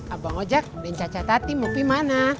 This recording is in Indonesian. abang ojek dan caca tati mau ke mana